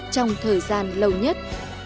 trong thời gian lâu nhất